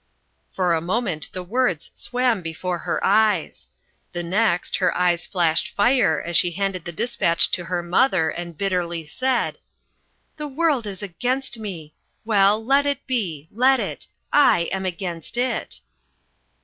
For a moment the words swam before her eyes. The next her eyes flashed fire as she handed the dispatch to her mother and bitterly said, "The world is against me. Well, let it be, let it. I am against it."